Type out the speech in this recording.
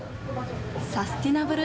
サステナブル